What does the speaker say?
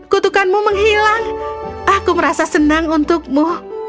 kutukanmu menghilang aku merasa senang untukmu